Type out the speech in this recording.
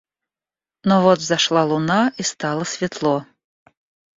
Но вот взошла луна и стало светло.